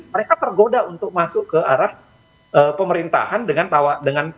mereka tergoda untuk masuk ke arah pemerintahan dengan